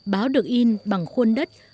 báo được in bằng khuôn đất